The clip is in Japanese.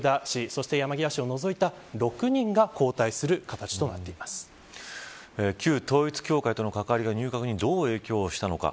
そして山際氏を除いた６人が交代する形と旧統一教会との関わりが入閣にどう影響したのか。